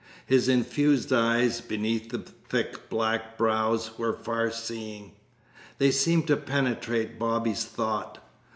His infused eyes, beneath the thick black brows, were far seeing. They seemed to penetrate Bobby's thought.